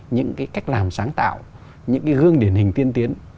những cách làm sáng tạo những gương điển hình tiên tiến